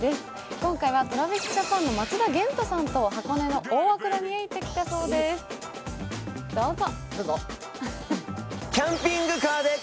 今回はＴｒａｖｉｓＪａｐａｎの松田元太さんと箱根の大涌谷へ行ってきたそうです、どうぞ。